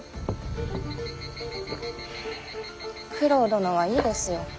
九郎殿はいいですよ。